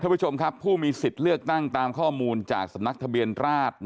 ผู้ชมครับผู้มีสิทธิ์เลือกตั้งตามข้อมูลจากสำนักทะเบียนราช